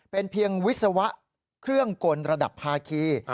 เป็นเพียงวิศวะเครื่องกลระดับภาคี